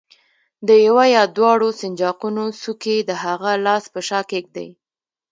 د یوه یا دواړو سنجاقونو څوکې د هغه لاس په شا کېږدئ.